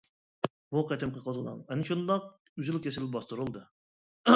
بۇ قېتىمقى قوزغىلاڭ ئەنە شۇنداق ئۈزۈل-كېسىل باستۇرۇلدى.